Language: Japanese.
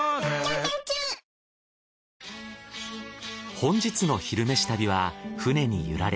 本日の「昼めし旅」は船に揺られ